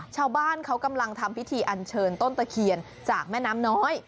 ชาวบ้านเขากำลังทำพิธีอันเชิญต้นตะเคียนจากแม่น้ำน้อย